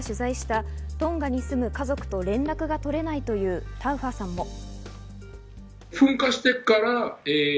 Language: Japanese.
先週、『スッキリ』が取材した、トンガに住む家族と連絡が取れないというタウファさんも。